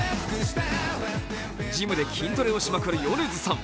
ジムで筋トレをしまくる米津さん。